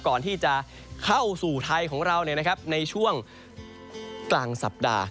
ก่อนที่จะเข้าสู่ไทยของเราในช่วงกลางสัปดาห์